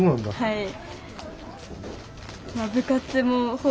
はい。